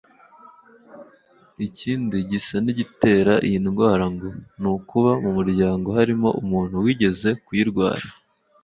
Ikindi gisa n’igitera iyi ndwara ngo ni ukuba mu muryango harimo umuntu wigeze kuyirwara